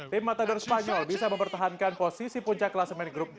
tim matador spanyol bisa mempertahankan posisi puncak kelas main grup empat